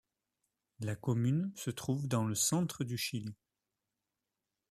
La commune se trouve dans le centre du Chili.